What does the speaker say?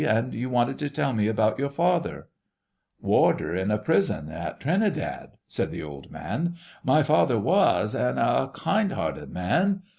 And you wanted to tell me about your father——" "Warder in the prison at Trinidad," said the old man, "my father was, an' a kind hearted man.